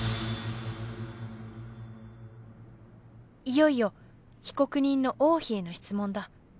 いよいよ被告人の王妃への質問だ。